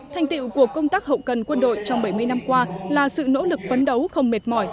thành tiệu của công tác hậu cần quân đội trong bảy mươi năm qua là sự nỗ lực vấn đấu không mệt mỏi